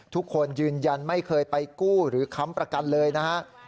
ทุกคนยืนยันไม่เคยไปกู้หรือค้ำประกันเลยนะฮะ